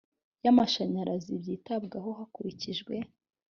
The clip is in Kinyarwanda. y amashanyarazi byitabwaho hakurikijwe